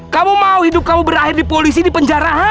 kamu mau hidup kamu berakhir di polisi di penjarahan